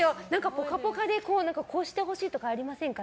「ぽかぽか」でこうしてほしいとかありませんか。